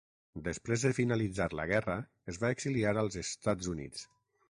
Després de finalitzar la guerra es va exiliar als Estats Units.